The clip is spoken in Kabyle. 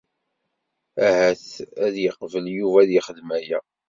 Ahat ad yeqbel Yuba ad yexdem aya.